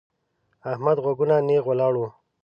احمد غوږونه نېغ ولاړ وو.